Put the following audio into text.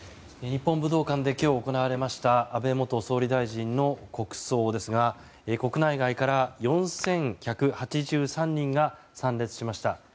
日本武道館で今日、行われました安倍元総理の国葬ですが国内外から４１８３人が参列しました。